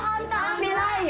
してないよ。